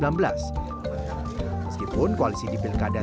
meskipun koalisi di pilkada